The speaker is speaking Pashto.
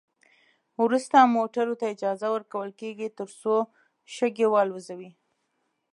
وروسته موټرو ته اجازه ورکول کیږي ترڅو شګې والوزوي